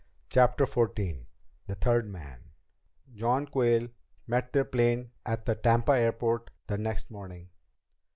CHAPTER XIV The Third Man John Quayle met their plane at the Tampa airport the next morning.